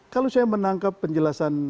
kalau saya menangkap penjelasan